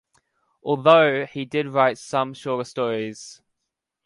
Although, he did write some shorter stories.